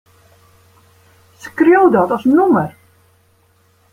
Skriuw dat as nûmer.